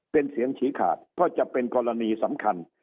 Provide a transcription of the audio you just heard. เป็นเสียงฉีขาดก็จะเป็นกรณีสำคัญ